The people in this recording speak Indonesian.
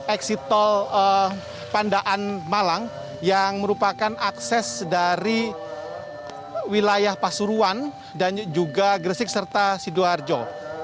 eksit tol pandaan malang yang merupakan akses dari wilayah pasuruan dan juga gresik serta sidoarjo